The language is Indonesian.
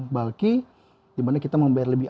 balki dimana kita membayar lebih